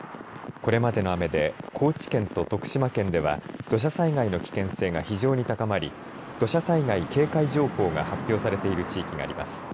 これまでの雨で高知県と徳島県では土砂災害の危険性が非常に高まり土砂災害警戒情報が発表されている地域があります。